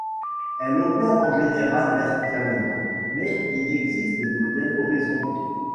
Elle opère en général verticalement mais il existe des modèles horizontaux.